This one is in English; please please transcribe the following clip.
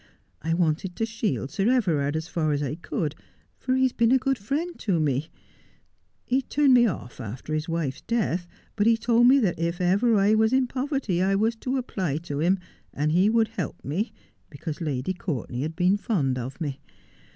I wanted to shield Sir Everard as far as I could, for he has been a good friend to me He turned me off after his wife's death, but he told me that if I was ever in poverty I was to apply to him, and he would help me, because Lady Courtenay had been fond of me.